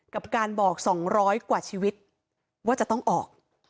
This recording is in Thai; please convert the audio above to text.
กับการบอก๒๐๐กว่าชีวิตว่าจะต้องออก